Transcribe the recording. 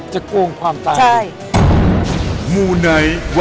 จะโกงความตาย